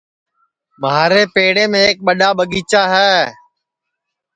مھارے پیڑیم ایک ٻڈؔا ٻاگیچا ہے